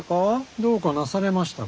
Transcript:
どうかなされましたか？